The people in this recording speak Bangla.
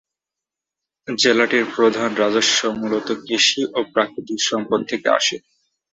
জেলাটির প্রধান রাজস্ব মূলত কৃষি ও প্রাকৃতিক সম্পদ থেকে আসে।